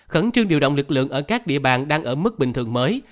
khẩn trương điều động lực lượng ở các địa bàn đang ở mức bình thường mới